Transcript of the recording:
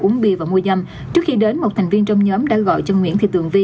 uống bia và mua dâm trước khi đến một thành viên trong nhóm đã gọi cho nguyễn thị tường vi